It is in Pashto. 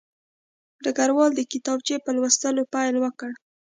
ډګروال د کتابچې په لوستلو پیل وکړ